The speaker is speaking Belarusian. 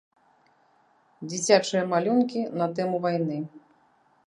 Дзіцячыя малюнкі на тэму вайны.